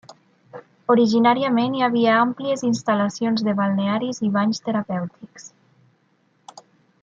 Originàriament hi havia àmplies instal·lacions de balnearis i banys terapèutics.